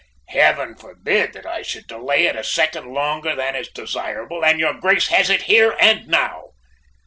"Heaven forbid that I should delay it a second longer than is desirable, and your Grace has it here and now!